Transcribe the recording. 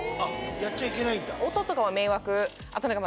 やっちゃいけないんだ